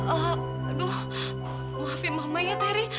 aduh maafin mama ya teri